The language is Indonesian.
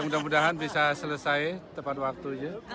mudah mudahan bisa selesai tepat waktunya